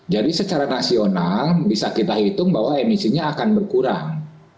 jadi secara nasional bisa kita hitung bahwa emisinya akan berkurang